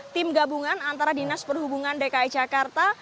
tim gabungan antara dinas perhubungan dki jakarta